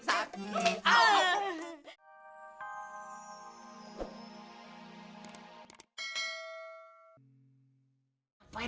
aduh ibu sakit